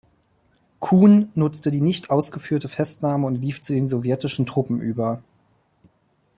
Kuhn nutzte die nicht ausgeführte Festnahme und lief zu den sowjetischen Truppen über.